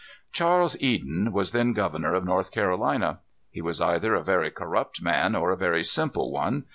Charles Eden was then governor of North Carolina. He was either a very corrupt man or a very simple one.